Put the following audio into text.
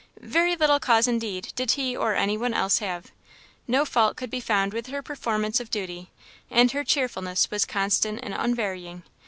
Very little cause indeed did he or any one else have. No fault could be found with her performance of duty; and her cheerfulness was constant and unvarying.